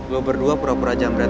lo berdua berobroh aja sama mereka